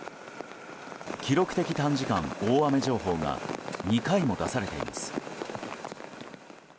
記録的短時間大雨情報が２回も出されています。